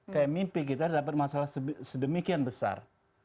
kayak mimpi kita dapat masalah sedemikian besar